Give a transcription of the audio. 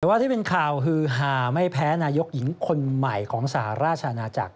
แต่ว่าที่เป็นข่าวฮือฮาไม่แพ้นายกหญิงคนใหม่ของสหราชอาณาจักร